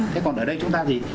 thế còn ở đây chúng ta thì